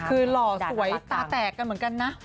คือหล่อสวยตาแตกกันเหมือนกันนะ